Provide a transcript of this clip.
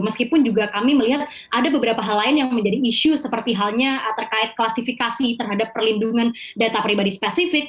meskipun juga kami melihat ada beberapa hal lain yang menjadi isu seperti halnya terkait klasifikasi terhadap perlindungan data pribadi spesifik